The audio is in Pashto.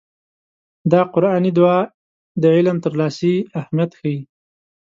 دا قرآني دعا د علم ترلاسي اهميت ښيي.